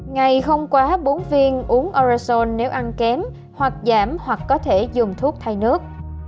ngày không quá bốn viên uống orason nếu ăn kém hoặc giảm hoặc có thể dùng thuốc thay nước